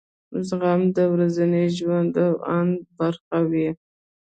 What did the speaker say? زغم د ورځني ژوند او اند برخه وي.